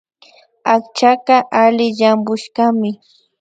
Akchaka alli llampushkami